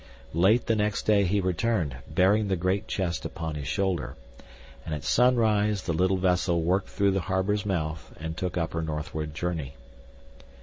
Late the next day he returned, bearing the great chest upon his shoulder, and at sunrise the little vessel worked through the harbor's mouth and took up her northward journey.